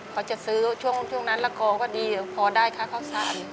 เขาจะซื้อช่วงนั้นละกองก็ดีพอได้ค่าข้าวสาร